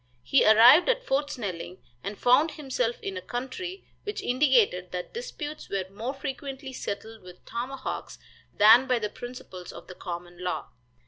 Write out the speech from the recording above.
He arrived at Fort Snelling, and found himself in a country which indicated that disputes were more frequently settled with tomahawks than by the principles of the common law.